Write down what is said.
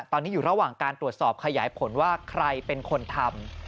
ตอนนี้อยู่ระหว่างการตรวจสอบขยายผลว่าใครเป็นคนทำ